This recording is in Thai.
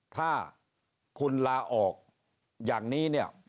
ถ้าคุณลาออกอย่างนี้เนี่ย